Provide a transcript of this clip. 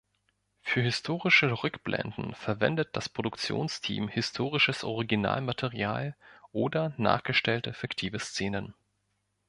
Für historische Rückblenden verwendet das Produktionsteam historisches Originalmaterial oder nachgestellte, fiktive Szenen.